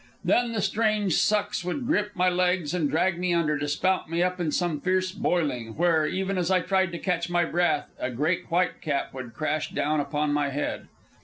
Then the strange sucks would grip my legs and drag me under, to spout me up in some fierce boiling, where, even as I tried to catch my breath, a great whitecap would crash down upon my head.